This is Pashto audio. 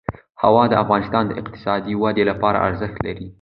هوا د افغانستان د اقتصادي ودې لپاره ارزښت لري.